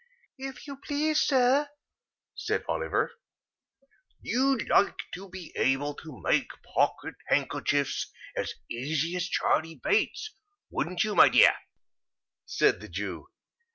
"If you please, sir," said Oliver. "You'd like to be able to make pocket handkerchiefs as easy as Charley Bates, wouldn't you, my dear?" said the Jew.